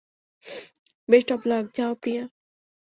Best of luck, যাও প্রিয়া।